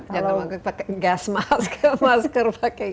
jangan pakai gas masker